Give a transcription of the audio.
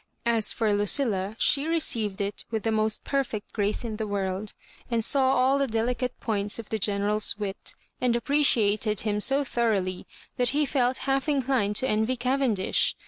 As for Lucilla, she received it with the most perfect grace in the world, and saw all the delicate points of the General's wit, and appreciated him so thoroughly that he felt half inclined to envy Cavendish.